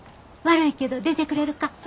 悪いけど出てくれるか？